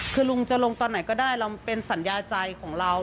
คือลุงจะลงตอนไหนก็ได้เราเป็นสัญญาใจของเรา